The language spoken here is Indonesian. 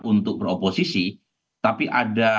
untuk mencari kepentingan dan mencari kepentingan